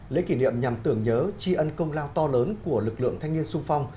lễ kỷ niệm nhằm tưởng nhớ tri ân công lao to lớn của lực lượng thanh niên sung phong